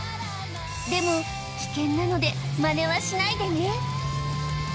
でも危険なのでマネはしないでね